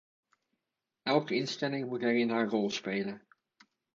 Elke instelling moet daarin haar rol spelen.